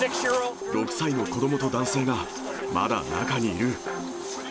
６歳の子どもと男性が、まだ中にいる。